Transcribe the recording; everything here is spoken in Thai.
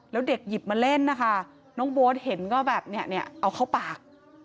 แล้วเด็กหยิบมาเล่นนะคะน้องโบ๊ทเห็นก็แบบเนี่ยเอาเข้าปาก